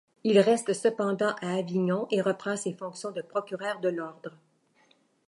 Il reste cependant à Avignon et reprend ses fonctions de procureur de l'ordre.